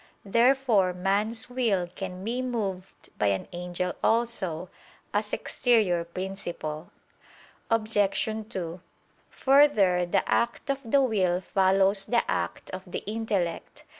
Therefore man's will can be moved by an angel also, as exterior principle. Obj. 2: Further, the act of the will follows the act of the intellect.